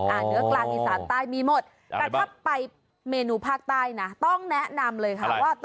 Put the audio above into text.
ก็เหนือกลางอีสานใต้มีมันหมดรู้สึกไปไปเมนูภาคใต้น่ะต้องแนะนำเลยค่ะว่า